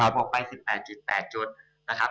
บวกไป๑๘๘จุดนะครับ